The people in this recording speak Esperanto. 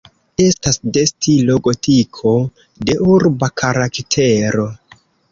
Estas de stilo gotiko, de urba karaktero.